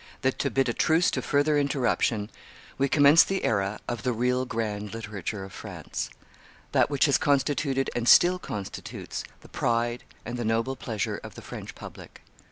that, to bid a truce to further interruption, we commence the era of the real grand literature of France, that which has constituted and still constitutes the pride and the noble pleasure of the French public.